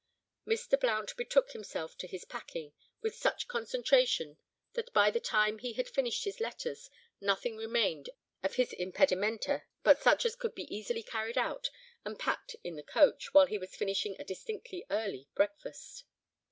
Mr. Blount betook himself to his packing with such concentration, that by the time he had finished his letters, nothing remained of his impedimenta, but such as could be easily carried out and packed in the coach, while he was finishing a distinctly early breakfast.